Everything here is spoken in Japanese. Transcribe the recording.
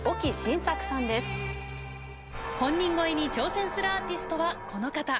本人超えに挑戦するアーティストはこの方。